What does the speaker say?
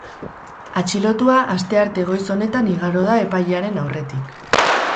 Atxilotua astearte goiz honetan igaro da epailearen aurretik.